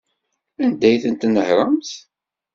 Anda ay ten-tnehṛemt?